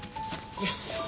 よし